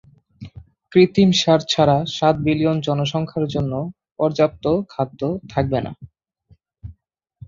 কৃত্রিম সার ছাড়া সাত বিলিয়ন জনসংখ্যার জন্য পর্যাপ্ত খাদ্য থাকবে না।